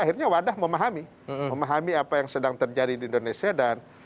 akhirnya wadah memahami memahami apa yang sedang terjadi di indonesia dan